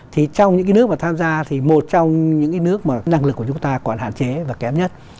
thì trong những cái nước mà tham gia thì một trong những cái nước mà năng lực của chúng ta còn hạn chế và kém nhất